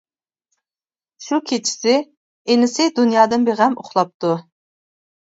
شۇ كېچىسى ئىنىسى دۇنيادىن بىغەم ئۇخلاپتۇ.